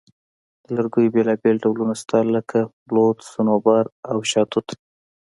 د لرګیو بیلابیل ډولونه شته، لکه بلوط، صنوبر، او شاهتوت.